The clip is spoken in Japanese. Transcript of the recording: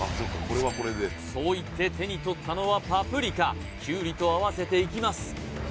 そう言って手に取ったのはパプリカきゅうりと合わせていきます